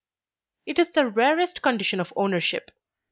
It is the rarest condition of ownership.